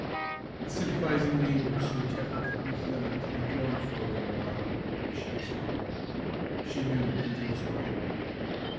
The sympathizing neighbors who had kept her company for the night had gone for a little while, and she was alone. She knew that there was no hope.